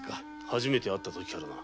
初めて会った時からな。